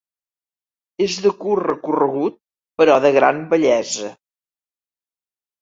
És de curt recorregut, però de gran bellesa.